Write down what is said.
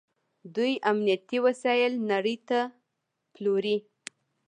دوی امنیتي وسایل نړۍ ته پلوري.